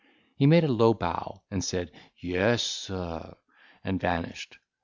He made a low bow, said, "Yes, sir," and vanished.